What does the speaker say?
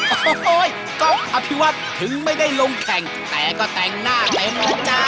โอ้โหก๊อฟอภิวัฒน์ถึงไม่ได้ลงแข่งแต่ก็แต่งหน้าเต็มแล้วจ้า